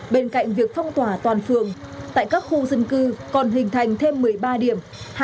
bên cạnh việc phong tỏa toàn phường tại các khu dân cư còn hình thành thêm một mươi ba điểm